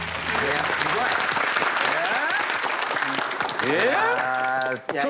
すごい！え？